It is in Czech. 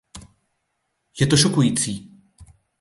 Je to šokující!